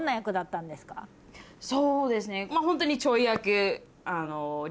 そうですね。